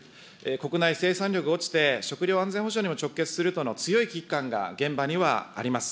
国内生産力が落ちて、食料安全保障にも直結するとの強い危機感が現場にはあります。